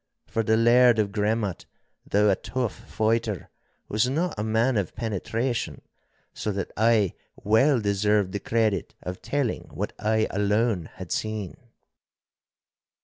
For the Laird of Gremmat, though a tough fighter, was not a man of penetration, so that I well deserved the credit of telling what I alone had seen.